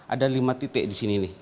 ada lima titik di sini nih